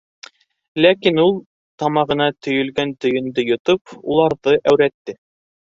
Ләкин ул, тамағына төйөлгән төйөндө йотоп, уларҙы әүрәтте: